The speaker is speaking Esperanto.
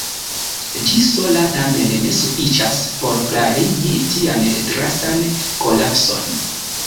Ĝi sola tamen ne sufiĉas por klarigi tian drastan kolapson.